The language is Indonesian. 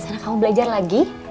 ya allah sana kamu belajar lagi